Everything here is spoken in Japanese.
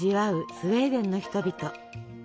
スウェーデンの人々。